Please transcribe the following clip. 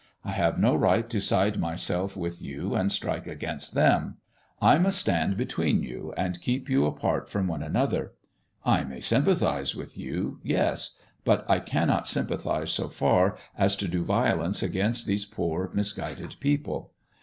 I have no right to side myself with you and strike against them. I must stand between you and keep you apart from one another. I may sympathize with you yes; but I cannot sympathize so far as to do violence against these poor, misguided people.